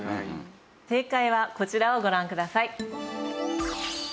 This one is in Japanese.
正解はこちらをご覧ください。